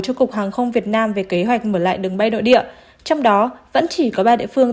cho cục hàng không việt nam về kế hoạch mở lại đường bay nội địa trong đó vẫn chỉ có ba địa phương